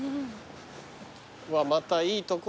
うわまたいいとこだよ。